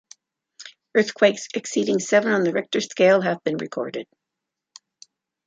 Earthquakes exceeding seven on the Richter scale have been recorded.